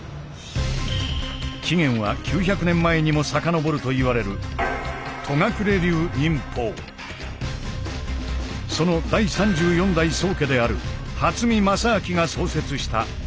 起源は９００年前にも遡るといわれるその第３４代宗家である初見良昭が創設した武神館。